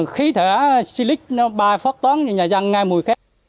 khí thể xy lích nó bài phát toán nhà dân ngay mùi khét